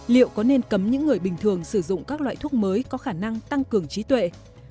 liệu có nên cấm những người bình thường sử dụng các loại thuốc mới có khả năng tăng cường trí tuệ